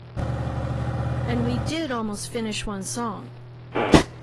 And we did almost finish one song.